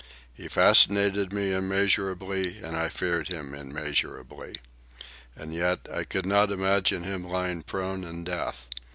He fascinated me immeasurably, and I feared him immeasurably. And yet, I could not imagine him lying prone in death.